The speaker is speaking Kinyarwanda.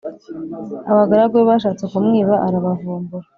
abagaragu be bashatse kumwiba arabavumbura